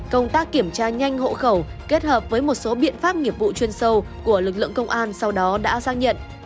công tác kiểm tra nhanh hộ khẩu kết hợp với một số biện pháp nghiệp vụ chuyên sâu của lực lượng công an sau đó đã ra nhận